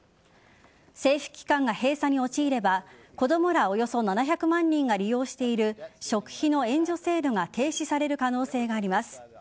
政府機関が閉鎖に陥れば子供らおよそ７００万人が利用している食費の援助制度が停止される可能性があります。